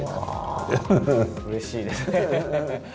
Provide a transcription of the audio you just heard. うれしいですね。